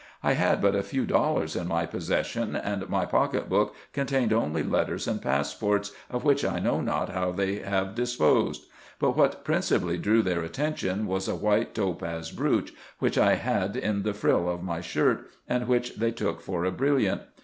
I had but a few dollars in my possession ; and my pocket book con tained only letters and passports, of which I know not how they have disposed : but what principally drew their attention was a white topaz brooch, which I had in the frill of my shirt, and which they took for a brilliant.